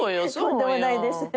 とんでもないです。